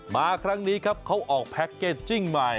มาครั้งนี้ครับเขาออกแพ็คเกจจิ้งใหม่